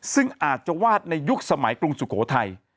ซึ่งอาจจะวาดในยุคสมัยกรุงสุโขทัย